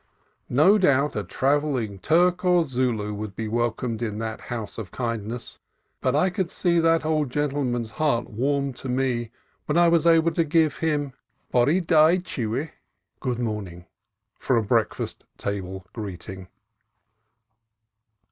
No doubt a travelling Turk or Zulu would be welcomed in that house of kindness, but I could see that the old gentle man's heart warmed toward me when I was able to give him " Boreu da i chwi " (good morning) for a breakfast table greeting.